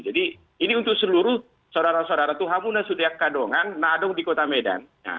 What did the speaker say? jadi ini untuk seluruh saudara saudara tuhan punah sutiak kadongan nadung di kota medan